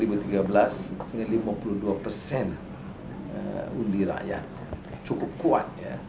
dan juga di dalam kekuatan yang cukup kuat